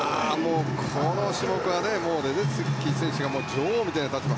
この種目はレデッキー選手が女王みたいな立場。